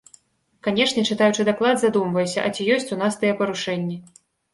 Канешне, чытаючы даклад, задумваешся, а ці ёсць у нас тыя парушэнні?